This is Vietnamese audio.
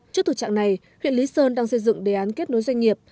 trước thực trạng này huyện lý sơn đang xây dựng đề án kết nối doanh nghiệp